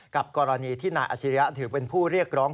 กรณีที่นายอาชิริยะถือเป็นผู้เรียกร้อง